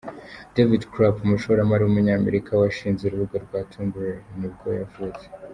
David Karp, umushoramari w’umunyamerika washinze urubuga rwa Tumblr nibwo yavutse.